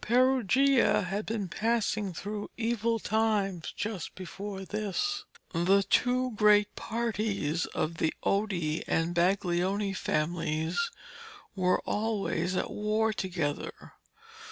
Perugia had been passing through evil times just before this. The two great parties of the Oddi and Baglioni families were always at war together.